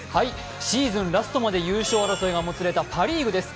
シーズンラストまで優勝争いがもつれたパ・リーグです。